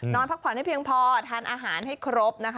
นอนพักผ่อนให้เพียงพอทานอาหารให้ครบนะคะ